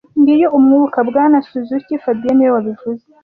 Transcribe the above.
Ngiyo umwuka, Bwana Suzuki fabien niwe wabivuze